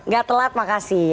gak telat makasih